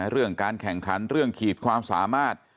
เรื่องการแข่งขันเรื่องขีดความสามารถ